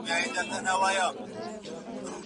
زه پرون کالي مينځلي!